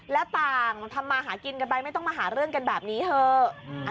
แล้วต่างทำมาหากินกันไปไม่ต้องมาหาเรื่องกันแบบนี้เถอะ